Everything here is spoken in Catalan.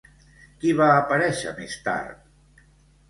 Qui va aparèixer més tard?